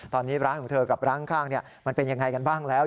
ตอนนี้ร้านของเธอกับร้านข้างมันเป็นยังไงกันบ้างแล้ว